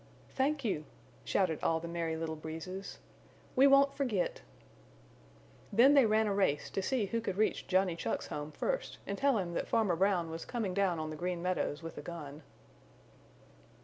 "Thank you," shouted all the Merry Little Breezes. "We won't forget." Then they ran a race to see who could reach Johnny Chuck's home first and tell him that Farmer Brown was coming down on the Green Meadows with a gun.